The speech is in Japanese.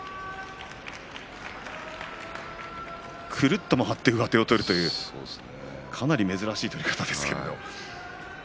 くるっと回って上手を取るというかなり珍しい取り方です。